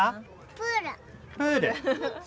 プール。